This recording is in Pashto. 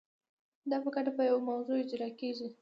دا په ګډه په یوه موضوع اجرا کیږي.